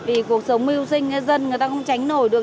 vì cuộc sống mưu sinh nhân dân người ta không tránh nổi được